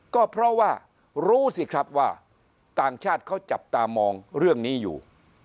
ก็เพราะว่ารู้สิครับว่าต่างชาติเขาจับตามองเรื่องนี้อยู่